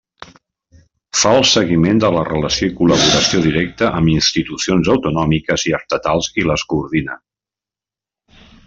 Fa el seguiment de la relació i col·laboració directa amb institucions autonòmiques i estatals i les coordina.